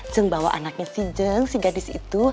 ceng bawa anaknya si jeng si gadis itu